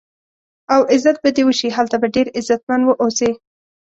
او عزت به دې وشي، هلته به ډېر عزتمن و اوسې.